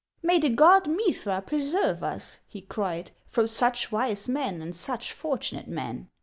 " May the god Mithra preserve us," he cried, " from such wise men and such fortunate men